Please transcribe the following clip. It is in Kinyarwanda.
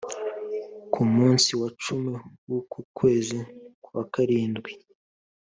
ku munsi wa cumi w uko kwezi kwa karindwi